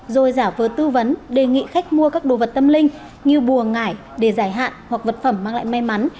rồi giả vờ tư vấn đề nghị khách mua các đồ vật tâm linh như bùa ngải để giải hạn hoặc vật phẩm mang lại may mắn